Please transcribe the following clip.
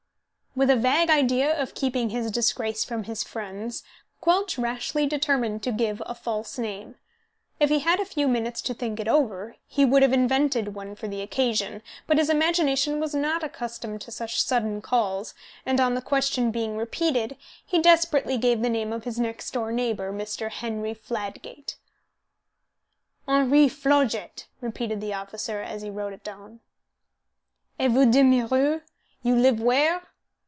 With a vague idea of keeping his disgrace from his friends, Quelch rashly determined to give a false name. If he had had a few minutes to think it over he would have invented one for the occasion, but his imagination was not accustomed to such sudden calls, and, on the question being repeated, he desperately gave the name of his next door neighbour, Mr. Henry Fladgate. "Henri Flodgett," repeated the officer as he wrote it down. "Et vous demeurez? You live where?"